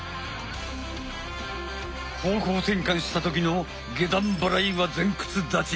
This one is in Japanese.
方向転換した時の下段払いは前屈立ち。